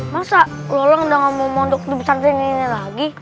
masa lolong udah gak mau ke pesantren ini lagi